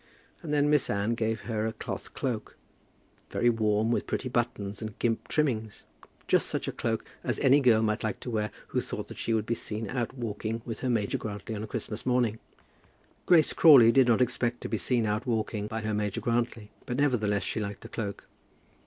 And then Miss Anne gave her a cloth cloak, very warm, with pretty buttons and gimp trimmings, just such a cloak as any girl might like to wear who thought that she would be seen out walking by her Major Grantly on a Christmas morning. Grace Crawley did not expect to be seen out walking by her Major Grantly, but nevertheless she liked the cloak.